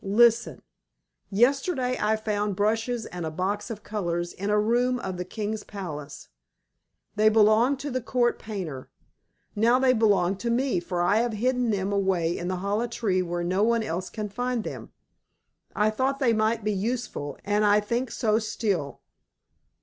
Listen. Yesterday I found brushes and a box of colors in a room of the King's palace. They belonged to the Court Painter. Now they belong to me, for I have hidden them away in a hollow tree where no one else can find them. I thought they might be useful, and I think so still."